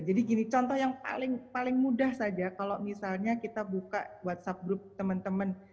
jadi gini contoh yang paling mudah saja kalau misalnya kita buka whatsapp grup teman teman